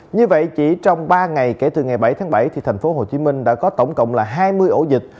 như vậy chỉ trong ba ngày kể từ ngày bảy tháng bảy thành phố hồ chí minh đã có tổng cộng là hai mươi ổ dịch